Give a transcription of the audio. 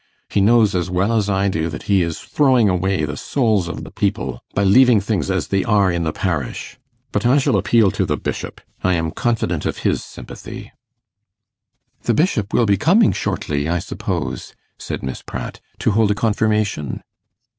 He knows as well as I do that he is throwing away the souls of the people by leaving things as they are in the parish. But I shall appeal to the Bishop I am confident of his sympathy.' 'The Bishop will be coming shortly, I suppose,' said Miss Pratt, 'to hold a confirmation?